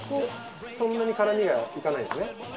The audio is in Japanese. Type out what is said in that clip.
そんなに辛みはいかないんですね？